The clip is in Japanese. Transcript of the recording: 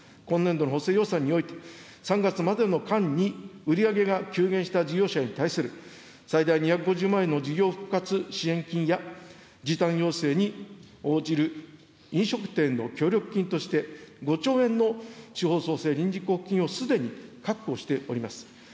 今年度の補正予算において、３月までの間に売り上げが急減した事業者に対する最大２５０万円の事業復活支援金や、時短要請に応じる飲食店の協力金として、５兆円の地方創生臨時交付金をすでに確保しております。